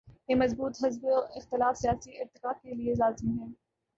ایک مضبوط حزب اختلاف سیاسی ارتقا کے لیے لازم ہے۔